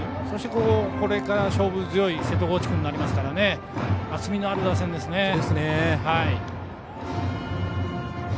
そして、これから勝負強い背戸川内君になりますから厚みのある打線ですね。